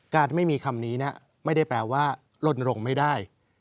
การไม่มีคำนี้ไม่ได้แปลว่าลนรงค์ไม่ได้